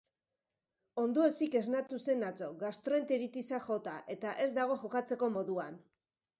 Ondoezik esnatu zen atzo, gastroenteritisak jota eta ez dago jokatzeko moduan.